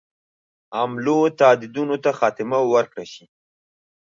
حملو تهدیدونو ته خاتمه ورکړه شي.